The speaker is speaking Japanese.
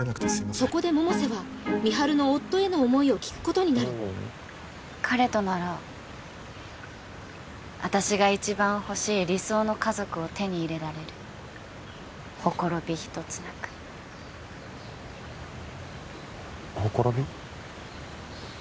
そこで百瀬は美晴の夫への思いを聞くことになる彼となら私が一番欲しい理想の家族を手に入れられるほころび一つなくほころび？